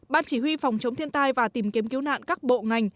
ban chỉ huy phòng chống thiên tai và tìm kiếm cứu nạn các bộ ngành